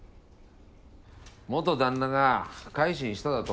元旦那が改心しただと？